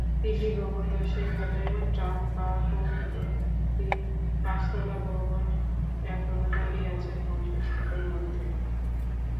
তিনটি ভবন ধসে গেলেও টাম্পাকোর একটি পাঁচতলা ভবন এখনো দাঁড়িয়ে আছে ধ্বংসস্তূপের মধ্যে।